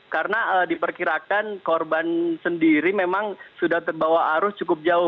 karena diperkirakan korban sendiri memang sudah terbawa arus cukup jauh